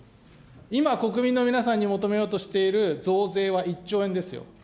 今、国民の皆さんに求めようとしている増税は１兆円ですよ。